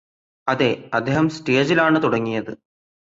അതെ അദ്ദേഹം സ്റ്റേജിലാണ് തുടങ്ങിയത്